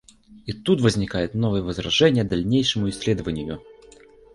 И тут возникает новое возражение дальнейшему исследованию.